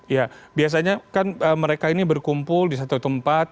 ya biasanya kan mereka ini berkumpul di satu tempat